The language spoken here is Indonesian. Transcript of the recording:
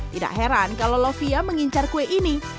tidak heran kalau lovia mengincar kue ini tampilannya gemes sekali